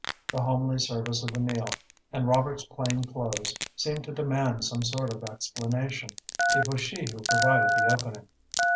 The homely service of the meal, and Robert's plain clothes, seemed to demand some sort of explanation. It was she who provided the opening.